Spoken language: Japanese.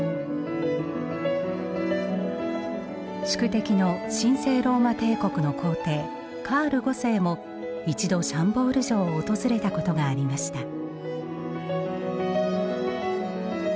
宿敵の神聖ローマ帝国の皇帝カール五世も一度シャンボール城を訪れたことがありました。